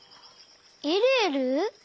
えるえる？